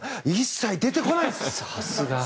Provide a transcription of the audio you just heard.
一切出てこないんです！